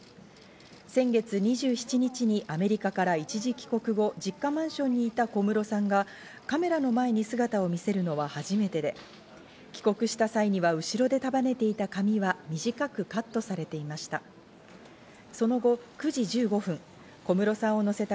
先月２７日にアメリカから一時帰国後、実家マンションにいた小室さんがカメラの前に姿を見せるのは初めてで、帰国した際には後ろで束ねていた髪は短くカットされていました。